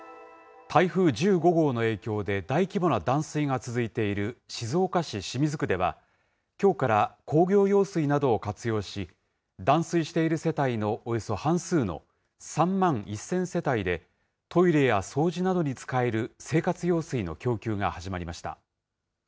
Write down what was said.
台風１５号の影響で、大規模な断水が続いている静岡市清水区では、きょうから工業用水などを活用し、断水している世帯のおよそ半数の３万１０００世帯でトイレや掃除などに使える生活用水の供給が始まりました。